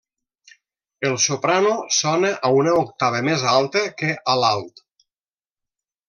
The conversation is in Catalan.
El soprano sona a una octava més alta que a l'alt.